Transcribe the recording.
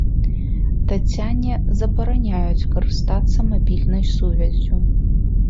Таццяне забараняюць карыстацца мабільнай сувяззю.